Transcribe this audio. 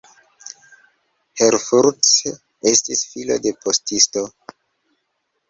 Herfurth estis filo de postisto.